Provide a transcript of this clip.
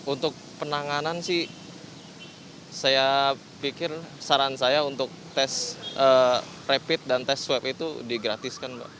untuk penanganan sih saya pikir saran saya untuk tes rapid dan tes swab itu digratiskan mbak